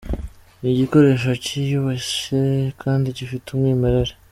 Ni igikoresho cyiyubashye kandi gifite umwimerere.